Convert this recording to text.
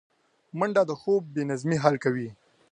منډه د خوب بې نظمۍ حل کوي